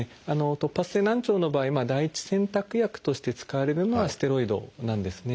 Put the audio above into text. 突発性難聴の場合第一選択薬として使われるのはステロイドなんですね。